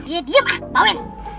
dia diem bawain